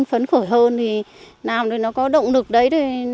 vấn khởi hơn thì làm được nó có động lực đấy